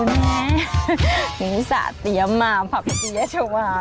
อินิสาเตี๋ยมาผักเตี้ยชาวา